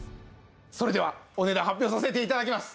それではお値段発表させて頂きます。